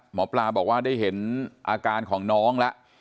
หมอปลาบอกว่าได้เห็นอาการของน้องแล้ว